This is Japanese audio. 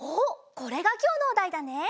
これがきょうのおだいだね。